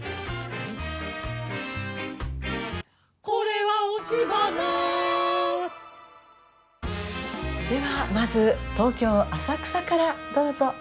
「これは」ではまず東京・浅草からどうぞ。